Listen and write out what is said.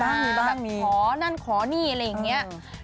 แบบขอนั่นขอนี่อะไรแบบนี้